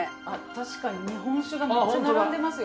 確かに日本酒がめっちゃ並んでますよ。